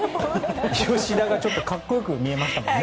吉田がちょっと格好良く見えましたもんね。